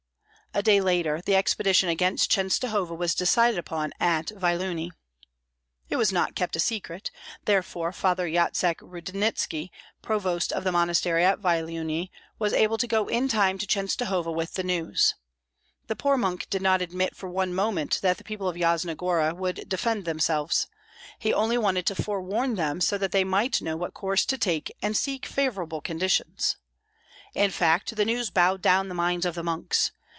A day later the expedition against Chenstohova was decided upon at Vyelunie. It was not kept a secret; therefore Father Yatsek Rudnitski, provost of the monastery at Vyelunie, was able to go in time to Chenstohova with the news. The poor monk did not admit for one moment that the people of Yasna Gora would defend themselves. He only wanted to forewarn them so that they might know what course to take and seek favorable conditions. In fact, the news bowed down the minds of the monks.